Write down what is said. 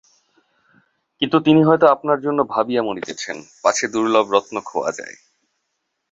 কিন্তু তিনি হয়তো আপনার জন্য ভাবিয়া মরিতেছেন, পাছে দুর্লভ রত্ন খোওয়া যায়।